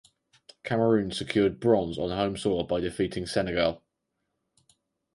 Cameroon secured bronze on home soil by defeating Senegal.